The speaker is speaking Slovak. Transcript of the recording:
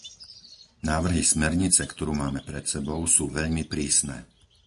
Návrhy smernice, ktorú máme pred sebou, sú veľmi prísne.